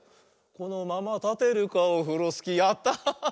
「このままたてるかオフロスキー」やった！